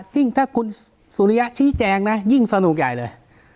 ยิ่งถ้าคุณสุริยะชี้แจงนะยิ่งสนุกใหญ่เลย